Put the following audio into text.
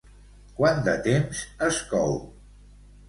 Quant de temps es cou?